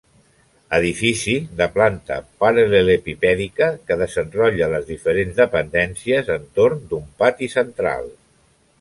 Edifici de planta paral·lelepipèdica que desenrotlla les diferents dependències entorn d'un pati central.